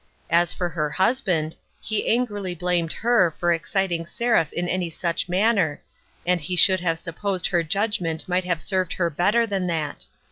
As for her husband, he angrily blamed her for exciting Seraph in any such manner ; said he should have supposed her judgment might have served her better than that.